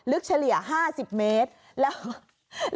ลึกเฉลี่ย๕๐เมตร